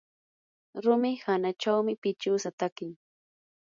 rumi hanachawmi pichiwsa takin.